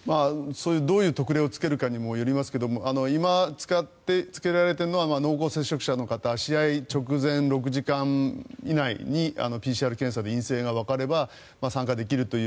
どういう特例をつけるかにもよりますが今、つけられているのは濃厚接触者の方試合直前６時間以内にＰＣＲ検査で陰性がわかれば参加できるという。